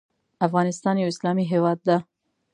افغانستان یو اسلامې هیواد ده